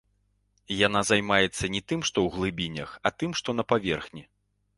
Яна займаецца не тым, што ў глыбінях, а тым, што на паверхні.